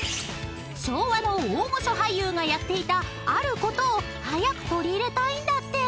［昭和の大御所俳優がやっていたあることを早く取り入れたいんだって］